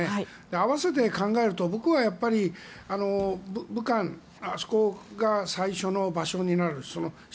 合わせて考えると僕はやっぱり武漢、あそこが最初の場所になる。